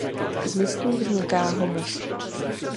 Z listů vzniká humus.